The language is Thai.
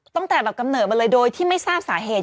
ตั้งแต่แบบกำเนิดมาเลยโดยที่ไม่ทราบสาเหตุ